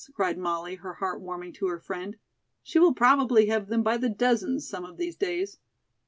cried Molly, her heart warming to her friend. "She will probably have them by the dozens some of these days."